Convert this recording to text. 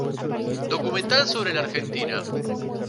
Documental sobre la Argentina.